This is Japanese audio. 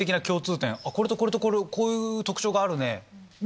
「これとこれとこれこういう特徴があるね」に。